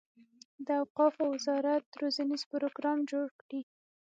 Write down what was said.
د اوقافو وزارت روزنیز پروګرام جوړ کړي.